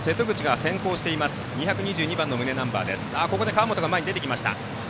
川元が前に出てきました。